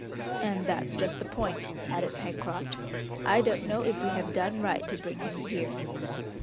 "And that's just the point," added Pencroft, "I don't know if we have done right to bring him here."